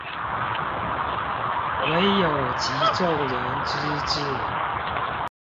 唯有集眾人之智